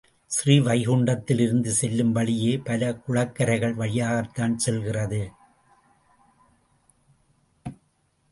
ஸ்ரீவைகுண்டத்திலிருந்து செல்லும் வழியே பல குளக்கரைகள் வழியாகத்தான் செல்கிறது.